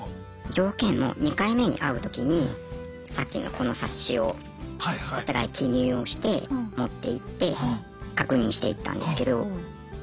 条件も２回目に会う時にさっきのこの冊子をお互い記入をして持っていって確認していったんですけどま